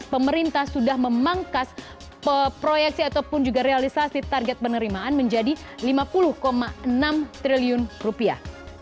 pemerintah sudah memangkas proyeksi ataupun juga realisasi target penerimaan menjadi lima puluh enam triliun rupiah